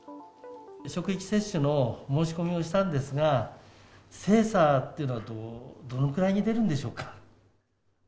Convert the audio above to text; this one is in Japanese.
職域接種の申し込みしたんですが、精査というのは、どのくらいに出るんでしょうか？